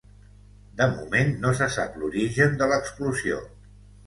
De moment no se sap l’origen de l’explosió.